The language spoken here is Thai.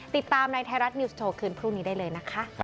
ติดตามในไทยรัฐนิวส์โชว์คืนพรุ่งนี้ได้เลยนะคะ